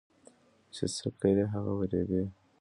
چې څه کرې هغه به ريبې